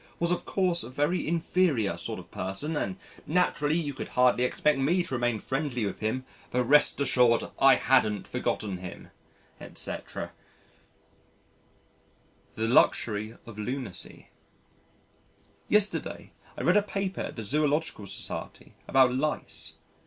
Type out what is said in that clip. was of course a very inferior sort of person and naturally, you could hardly expect me to remain friendly with him but rest assured I hadn't forgotten him," etc. The Luxury of Lunacy Yesterday, I read a paper at the Zoological Society about lice.